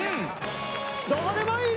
どこでもいいね？